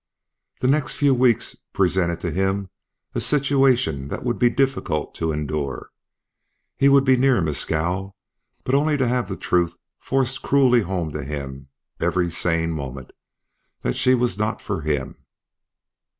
The next few weeks presented to him a situation that would be difficult to endure. He would be near Mescal, but only to have the truth forced cruelly home to him every sane moment that she was not for him.